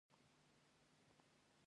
د همزولو او ځوانو پایلوچانو سره ناست و.